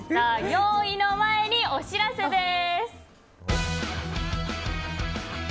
４位の前にお知らせです。